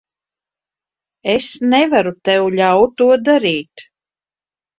Es nevaru tev ļaut to darīt.